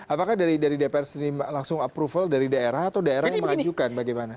apakah dari dpr sendiri langsung approval dari daerah atau daerah yang mengajukan bagaimana